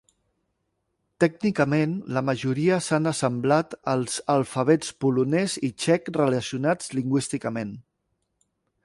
Tècnicament, la majoria s'han assemblat als alfabets polonès i txec relacionats lingüísticament.